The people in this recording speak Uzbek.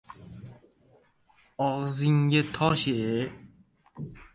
— Og‘zingga tosh-ye!..